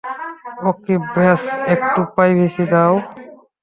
ওকে ব্যস একটু প্রাইভেসি দাও।